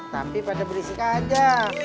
tapi pada berisik aja